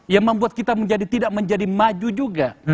yang membuat kita tidak menjadi maju juga